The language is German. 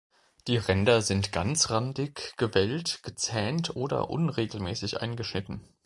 Die Ränder sind ganzrandig, gewellt, gezähnt oder unregelmäßig eingeschnitten.